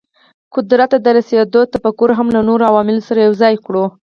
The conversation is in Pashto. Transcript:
قدرت ته د رسېدو تفکر هم له نورو عواملو سره یو ځای کړو.